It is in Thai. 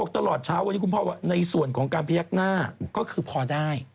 ต่อไปตลอดเช้าว่าที่คุณพ่อว่าในส่วนการพยักษณะก็คือพอได้